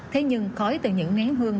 thế nhưng khói từ những nén hương